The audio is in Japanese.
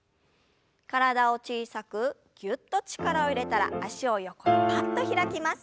体を小さくぎゅっと力を入れたら脚を横にぱっと開きます。